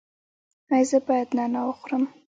ایا زه باید نعناع وخورم؟